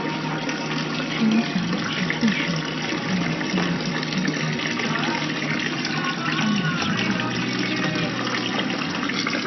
师恩祥十岁时便进入北京栅栏修道院修行。